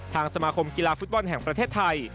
สมาคมกีฬาฟุตบอลแห่งประเทศไทย